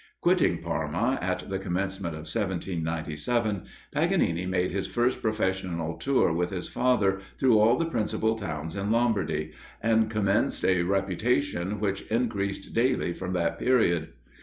Quitting Parma, at the commencement of 1797, Paganini made his first professional tour with his father through all the principal towns in Lombardy, and commenced a reputation which increased daily from that period.